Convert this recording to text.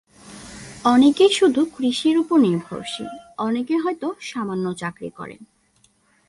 অনেকেই শুধু কৃষির ওপর নির্ভরশীল, অনেকেই হয়তো সামান্য চাকরি করেন।